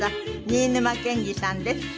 新沼謙治さんです。